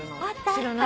知らない？